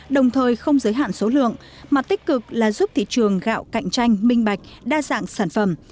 đồng thời không giới hạn số lượng mặt tích cực là giúp thị trường gạo cạnh tranh minh bạch đa dạng sản phẩm